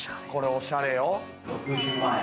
おしゃれよ。